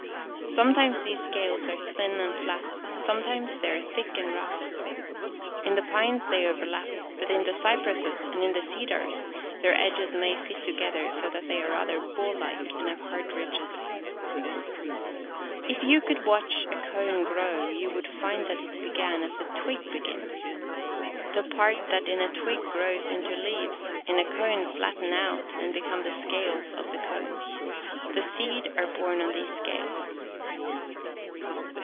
Sometimes these scales are thin and flat, some times they are thick and rough. In the pines {Fig. i) they overlap, but in the cypresses (Fig. ii) and in the cedars their edges may fit together so that they are rather ball like, and have hard ridges. If you could watch a cone grow you would find that it began as a twig be gins. The parts that in a twig grow into leaves, in a cone flatten out and be shedih^cnified). come the scales of the cone. The seed are borne on these scales.